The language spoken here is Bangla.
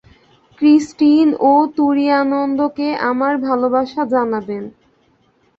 ক্রিষ্টিন ও তুরীয়ানন্দকে আমার ভালবাসা জানাবেন।